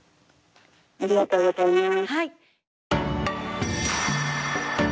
ありがとうございます。